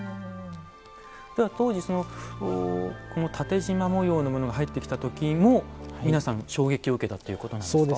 当時この縦じま模様のものが入ってきた時も皆さん衝撃を受けたっていうことなんですか？